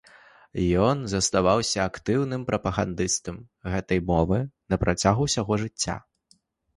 Ён заставаўся актыўным прапагандыстам гэтай мовы напрацягу ўсяго жыцця.